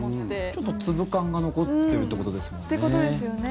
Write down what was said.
ちょっと粒感が残ってるってことですもんね。